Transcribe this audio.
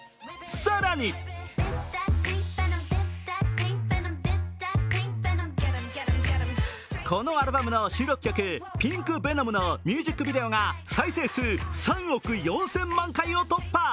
更にこのアルバムの収録曲「ＰｉｎｋＶｅｎｏｍ」のミュージックビデオが再生数３億４０００万回を突破。